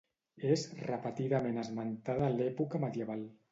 És repetidament esmentada a l'època medieval.